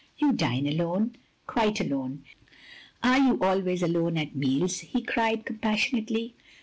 " "You dine alone? "Quite alone." "Are you always alone at meals?" he cried, compassionately.